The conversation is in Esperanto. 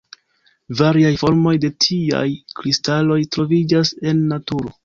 Variaj formoj de tiaj kristaloj troviĝas en naturo.